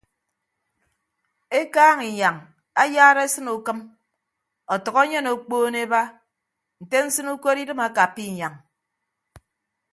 Ekaaña inyañ ayara esịne ukịm ọtʌk enyen okpoon eba nte nsịn ukot idịm akappa inyañ.